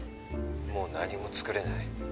もう何も作れない